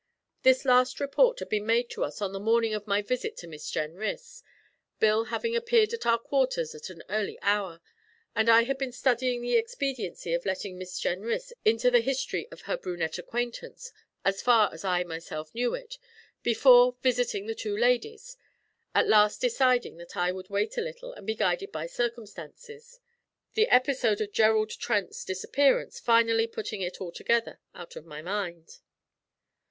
This last report had been made to us on the morning of my visit to Miss Jenrys, Bill having appeared at our quarters at an early hour, and I had been studying the expediency of letting Miss Jenrys into the history of her brunette acquaintance, as far as I myself knew it, before visiting the two ladies, at last deciding that I would wait a little and be guided by circumstances, the episode of Gerald Trent's disappearance finally putting it altogether out of my mind.